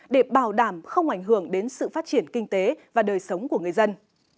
để bảo đảm không ảnh hưởng đến sự phát triển kinh tế và đời sống của người dân